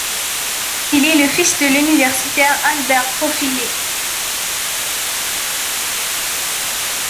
Il est le fils de l'universitaire Albert Pauphilet.